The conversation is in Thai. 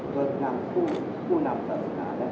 สวัสดีครับสวัสดีครับสวัสดีครับ